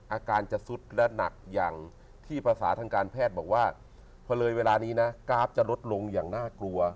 อาการจะสุดและหนักอย่างที่ภาษาทางการแพทย์บอกว่าพอเลยเวลานี้นะกราฟจะลดลงอย่างน่ากลัว